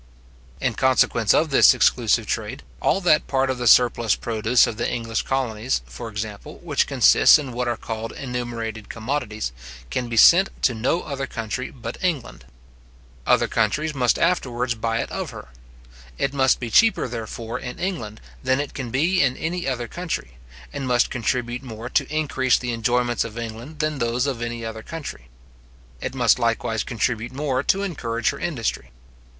In consequence of this exclusive trade, all that part of the surplus produce of the English colonies, for example, which consists in what are called enumerated commodities, can be sent to no other country but England. Other countries must afterwards buy it of her. It must be cheaper, therefore, in England than it can be in any other country, and must contribute more to increase the enjoyments of England than those of any other country. It must likewise contribute more to encourage her industry.